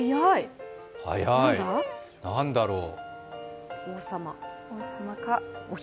何だろう？